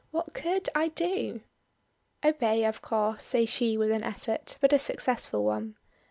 "What could I do?" "Obey, of course," says she with an effort, but a successful one.